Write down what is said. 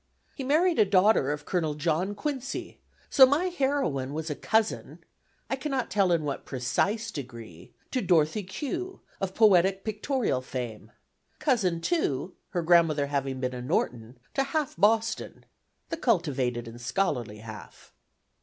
He married a daughter of Colonel John Quincy, so my heroine was a cousin I cannot tell in what precise degree to Dorothy Q. of poetic pictorial fame; cousin, too, (her grandmother having been a Norton) to half Boston, the cultivated and scholarly half.